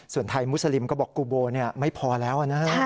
ส่วนไทยมุสลิมก็บอกกูโบไม่พอแล้วนะฮะ